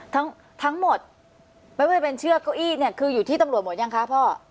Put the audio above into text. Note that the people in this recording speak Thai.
ทั้งหมดไม่ว่าจะเป็นเชือกเก้าอี้เนี่ยคืออยู่ที่ตำรวจหมดยังคะพ่อ